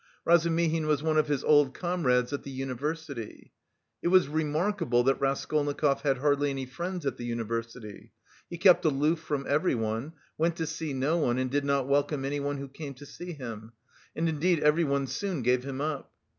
Razumihin was one of his old comrades at the university. It was remarkable that Raskolnikov had hardly any friends at the university; he kept aloof from everyone, went to see no one, and did not welcome anyone who came to see him, and indeed everyone soon gave him up.